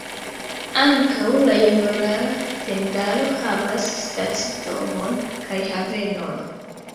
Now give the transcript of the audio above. Ankaŭ la junulara tendaro havas stacidomon kaj havenon.